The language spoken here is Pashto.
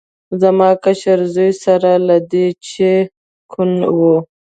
زما کشر زوی سره له دې چې کوڼ و.